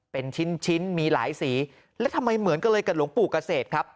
เป็นชิ้นชิ้นมีหลายสีแล้วทำไมเหมือนกันเลยกับหลวงปู่เกษตรครับ